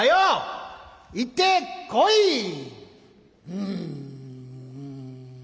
うん。